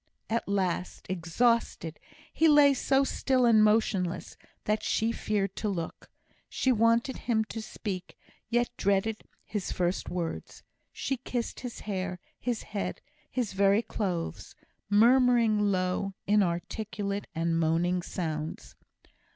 At last, exhausted, he lay so still and motionless, that she feared to look. She wanted him to speak, yet dreaded his first words. She kissed his hair, his head, his very clothes, murmuring low, inarticulate, moaning sounds.